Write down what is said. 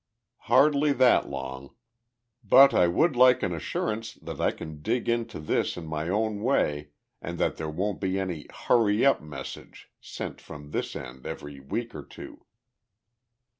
"Hardly that long. But I would like an assurance that I can dig into this in my own way and that there won't be any 'Hurry up!' message sent from this end every week or two."